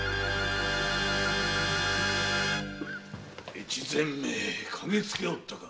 越前めかぎつけおったか。